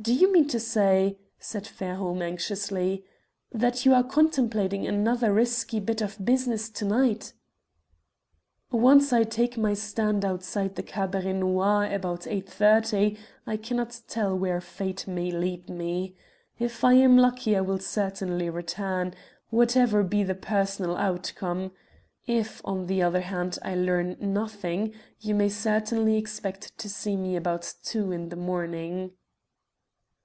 "Do you mean to say," said Fairholme, anxiously, "that you are contemplating another risky bit of business to night?" "Once I take my stand outside the Cabaret Noir about 8.30 I cannot tell where Fate may lead me. If I am lucky I will certainly return, whatever be the personal outcome. If, on the other hand, I learn nothing, you may certainly expect to see me about two in the morning."